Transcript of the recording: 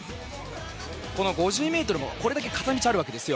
この５０ｍもこれだけ道があるわけです。